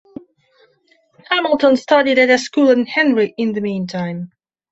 Hamilton studied at a school in Henry in the meantime.